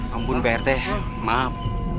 ampun pak rt maaf